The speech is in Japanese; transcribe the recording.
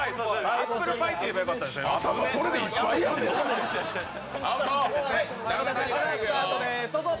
アップルパイっていえばよかったんですね。